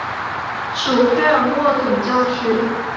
属费尔莫总教区。